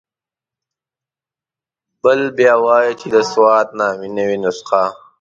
بل بیا وایي چې د سوات نامې نوې نسخه.